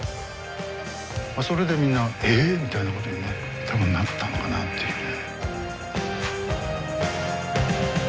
それでみんな「えっ？」みたいなことにね多分なったのかなっていうね。